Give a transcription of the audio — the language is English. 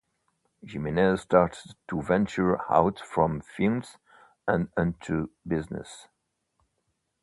Jimenez started to venture out from films and into business.